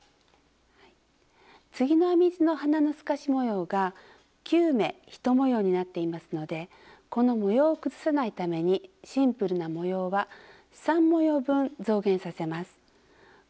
次の編み図の花の透かし模様が９目１模様になっていますのでこの模様を崩さないためにシンプルな模様は３模様分増減させます。